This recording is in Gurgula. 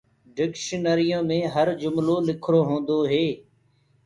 ڊڪشنٚريو مي هر جُملولکرو هونٚدوئي